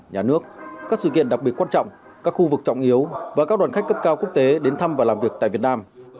nhà nước các sự kiện đặc biệt quan trọng các khu vực trọng yếu và các đoàn khách cấp cao quốc tế đến thăm và làm việc tại việt nam